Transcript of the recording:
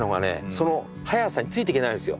その速さについていけないんですよ。